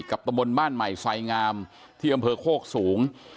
ตำบลบ้านใหม่ไซงามที่อำเภอโคกสูง